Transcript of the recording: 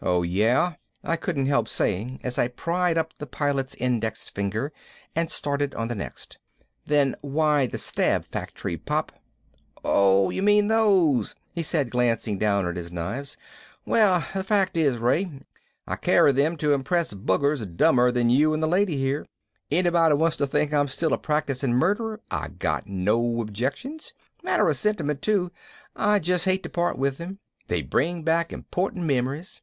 "Oh yeah?" I couldn't help saying as I pried up the Pilot's index finger and started on the next. "Then why the stab factory, Pop?" "Oh you mean those," he said, glancing down at his knives. "Well, the fact is, Ray, I carry them to impress buggers dumber than you and the lady here. Anybody wants to think I'm still a practicing murderer I got no objections. Matter of sentiment, too, I just hate to part with them they bring back important memories.